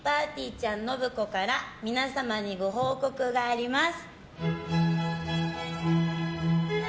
ちゃん信子から皆様にご報告があります。